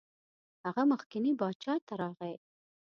هغه مخکني باچا ته راغی.